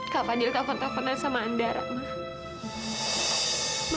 kak fadil kafon kafonan sama andara ma